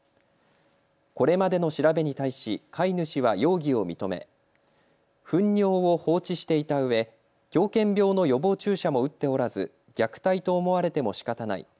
これまでの調べに対し飼い主は容疑を認めふん尿を放置していたうえ狂犬病の予防注射も打っておらず虐待と思われてもしかたない。